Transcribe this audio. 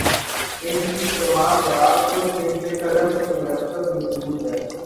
ان کی سوانح حیات، خود ان کے قلم سے مرتب موجود ہے۔